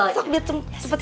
supaya cepet sembuh